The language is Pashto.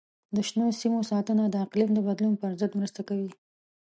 د شنو سیمو ساتنه د اقلیم د بدلون پر ضد مرسته کوي.